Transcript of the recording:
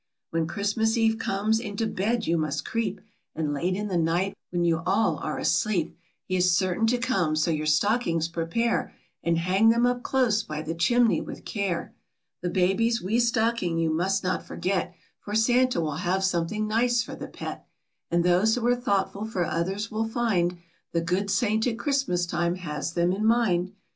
When Christmas Eve comes, into bed you must creep, And late in the night, when you all are asleep, He is certain to come; so your stockings prepare, And hang them up close by the chimney with care. The baby's wee stocking you must not forget, For Santa will have something nice for the pet, And those who are thoughtful for others will find The good saint at Christmas time has them in mind.